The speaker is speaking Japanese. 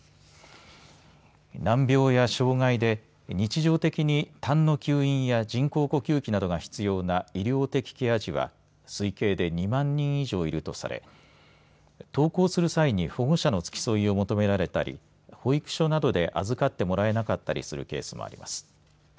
難病や障害で日常的にたんの吸引や人工呼吸器などが必要な医療的ケア児は推計で２万人以上いるとされ登校する際に保護者の付き添いを求められたり保育所などで預かってもらえなかったりするケースもあります。